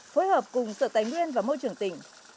phối hợp cùng sở tài nguyên và môi trường tỉnh